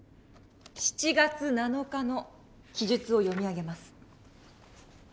７月７日の記述を読み上げます。